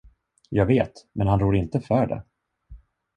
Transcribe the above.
Jag vet, men han rår inte för det.